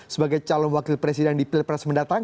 sebagai calon wakil presiden di pilpres mendatang